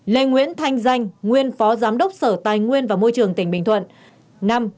năm lê nguyễn thanh danh nguyên phó giám đốc sở tài nguyên và môi trường tỉnh bình thuận